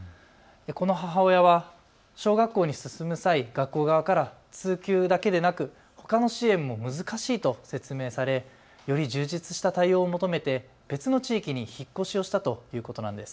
この母親は小学校に進む際学校側から通級だけでなくほかの支援も難しいと説明されより充実した対応を求めて別の地域に引っ越しをしたということです。